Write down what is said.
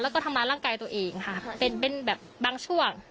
แล้วก็ทำร้ายร่างกายตัวเองค่ะเป็นเป็นแบบบางช่วง